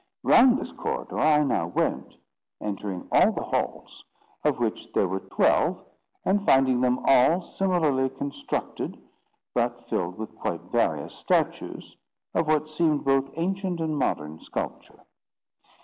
Round this corridor I now went, entering all the halls, of which there were twelve, and finding them all similarly constructed, but filled with quite various statues, of what seemed both ancient and modern sculpture.